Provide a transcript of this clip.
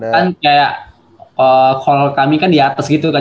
kan kayak holl kami kan di atas gitu kan